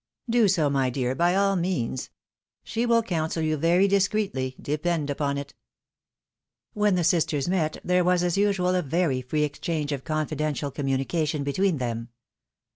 " Do so, my dear, by all means. She will counsel you very discreetly, depend upon it." »» When the sisters met, there was, as usual, a very free exchange of confidential communication between them.